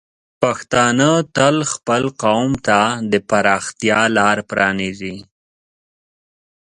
پښتانه تل خپل قوم ته د پراختیا لار پرانیزي.